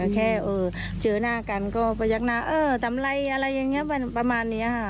แค่เจอหน้ากันก็ประยักหน้าเออทำอะไรอะไรอย่างนี้ประมาณนี้ค่ะ